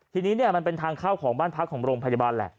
ทีนี้เนี่ยมันเป็นทางเข้าของบ้านพักของโรงพยาบาลแหละ